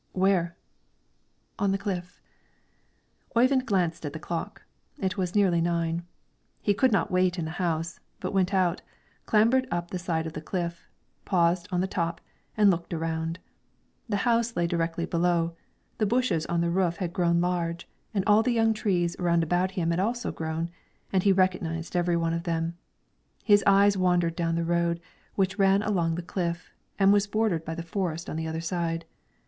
"Where?" "On the cliff." Oyvind glanced at the clock; it was nearly nine. He could not wait in the house, but went out, clambered up the side of the cliff, paused on the top, and looked around. The house lay directly below; the bushes on the roof had grown large, all the young trees round about him had also grown, and he recognized every one of them. His eyes wandered down the road, which ran along the cliff, and was bordered by the forest on the other side.